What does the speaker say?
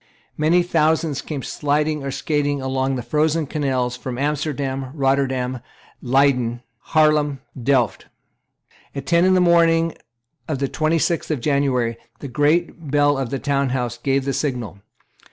Many thousands came sliding or skating along the frozen canals from Amsterdam, Rotterdam, Leyden, Haarlem, Delft. At ten in the morning of the twenty sixth of January, the great bell of the Town House gave the signal.